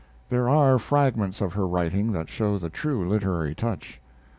There are fragments of her writing that show the true literary touch.